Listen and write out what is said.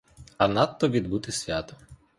А надто відбути свято.